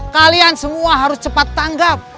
kalian semua harus cepat tanggap